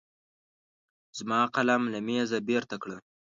زما قلم له مېزه بېرته کړه.